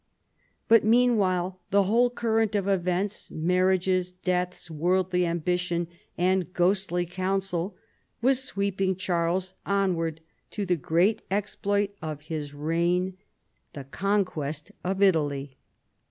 But meanwhile the whole current of events — marriages, deaths, worldly ambition and ghostly counsel — was sweeping Charles onward to the great exploit of his reign, the conquest of Italy.